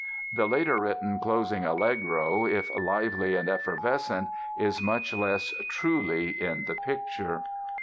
The later written closing Allegro, if lively and effervescent, is much less truly "in the picture."